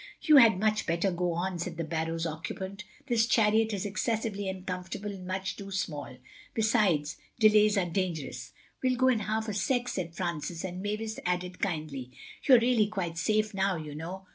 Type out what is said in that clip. "You had much better go on," said the barrow's occupant. "This chariot is excessively uncomfortable and much too small. Besides, delays are dangerous." "We'll go in half a sec," said Francis, and Mavis added kindly: "You're really quite safe now, you know."